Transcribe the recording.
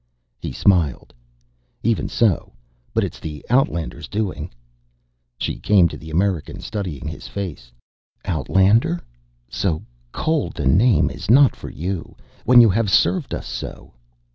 He smiled. "Even so. But it is the outlander's doing." She came to the American, studying his face. "Outlander? So cold a name is not for you, when you have served us so."